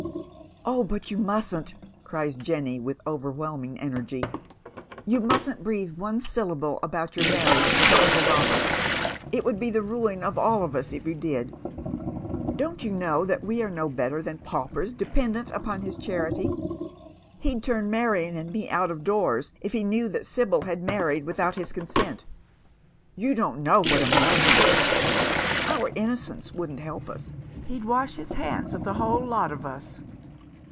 " Oh, but you mustn't," cries Jenny, with overwhelming energy. " You mustn't breathe one syllable about your marriage to uncle Eobert. It would be the ruin of all of us if you did. Don't you know that we are no better than paupers dependent upon his charity? He'd turn Marion and me out of doors if he knew that Sibyl had married without his consent. You don't know what a man he is. Our innocence wouldn't help us. He'd wash his hands of the whole lot of us."